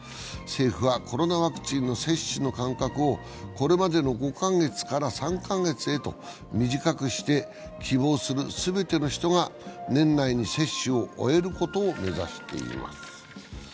政府はコロナワクチンの接種の間隔を、これまでの５か月から３か月へと短くして希望する全ての人が年内に接種を終えることを目指しています。